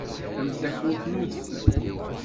Am takurt n udfel.